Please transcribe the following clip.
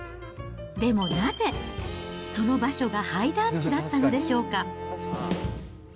でもなぜ、その場所が廃団地だったんでしょうか。